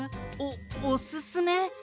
おおすすめ？